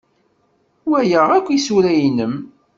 Walaɣ akk isura-nnem.